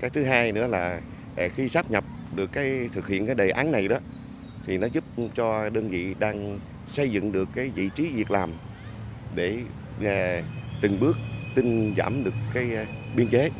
cái thứ hai nữa là khi sắp nhập được cái thực hiện cái đề án này đó thì nó giúp cho đơn vị đang xây dựng được cái vị trí việc làm để từng bước tinh giảm được cái biên chế